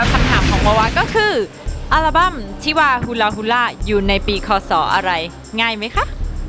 คำถามของวาวาก็คืออัลบั้มที่วาฮุลาฮูล่าอยู่ในปีคศอะไรง่ายไหมคะ